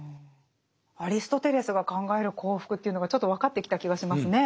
アリストテレスが考える幸福というのがちょっと分かってきた気がしますね。